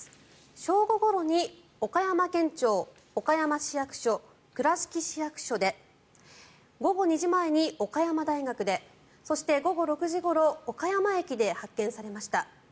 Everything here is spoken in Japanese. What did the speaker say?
正午ごろに岡山県庁岡山市役所、倉敷市役所で午後２時前に岡山大学でそして、午後６時ごろ岡山駅で発見されました。